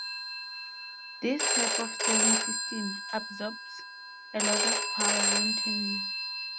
This type of steering system absorbs a lot of power when turning.